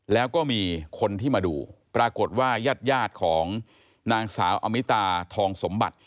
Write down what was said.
แล้วก็มีคนที่มาดูปรากฏว่ายาดของนางสาวอมิตาทองสมบัติ